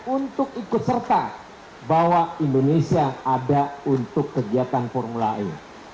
untuk ikut serta bahwa indonesia ada untuk kegiatan formula e